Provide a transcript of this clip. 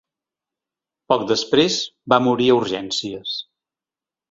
Poc després va morir a urgències.